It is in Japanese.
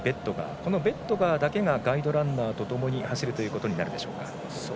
このベットガーだけがガイドランナーとともに走るということになるでしょうか。